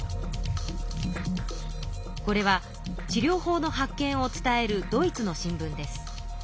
これは治療法の発見を伝えるドイツの新聞です。